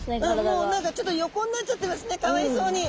もう何かちょっと横になっちゃってますねかわいそうに。